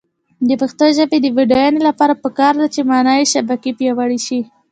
د پښتو ژبې د بډاینې لپاره پکار ده چې معنايي شبکې پیاوړې شي.